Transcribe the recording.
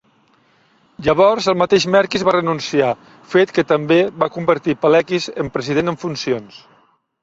Llavors el mateix Merkys va renunciar, fet que també va convertir Paleckis en president en funcions.